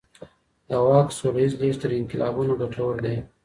د واک سوله ييز لېږد تر انقلابونو ګټور دی.